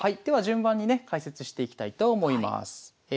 では順番にね解説していきたいと思います。